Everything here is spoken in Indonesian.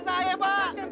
bisa anda lihatkan surat